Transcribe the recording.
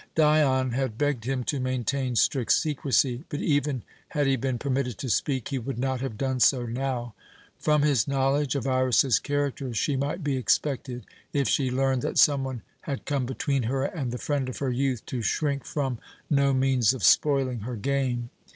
Dion had begged him to maintain strict secrecy; but even had he been permitted to speak, he would not have done so now. From his knowledge of Iras's character she might be expected, if she learned that some one had come between her and the friend of her youth, to shrink from no means of spoiling her game.